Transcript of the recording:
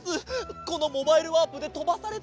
このモバイルワープでとばされて。